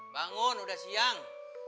bangun udah siang